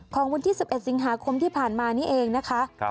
ของวันที่๑๑สิงหาคมที่ผ่านมานี่เองนะคะ